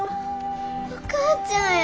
お母ちゃんや。